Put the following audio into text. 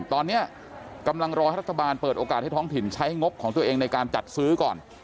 ตอนนี้กำลังรอให้รัฐบาลเปิดโอกาสให้ท้องถิ่นใช้งบของตัวเองในการจัดซื้อก่อน